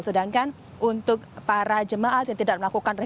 sedangkan untuk para jemaat yang tidak melakukan